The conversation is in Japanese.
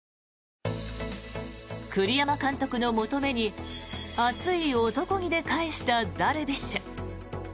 栗山監督の求めに熱い男気で返したダルビッシュ。